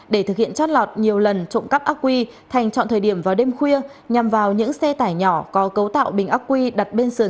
để thực hiện chót lọt nhiều lần trộm cắp ác quy thành trọn thời điểm vào đêm khuya